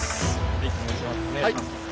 はいお願いします。